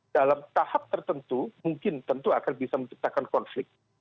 dalam tahap tertentu mungkin tentu akan bisa menciptakan konflik